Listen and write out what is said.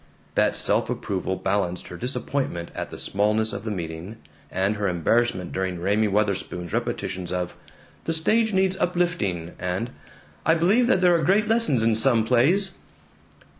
That self approval balanced her disappointment at the smallness of the meeting, and her embarrassment during Raymie Wutherspoon's repetitions of "The stage needs uplifting," and "I believe that there are great lessons in some plays."